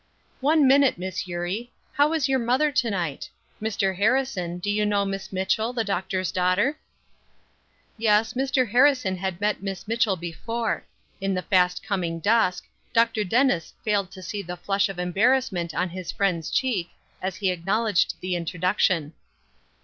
"One minute, Miss Eurie, how is your mother to night? Mr. Harrison, do you know Miss Mitchell, the doctor's daughter?" Yes, Mr. Harrison had met Miss Mitchell before. In the fast coming dusk, Dr. Dennis failed to see the flush of embarrassment on his friend's cheek, as he acknowledged the introduction.